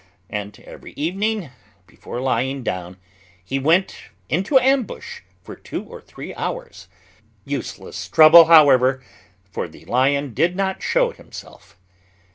And every evening, before lying down, he went into ambush for two or three hours. Useless trouble, however, for the lion did not show himself.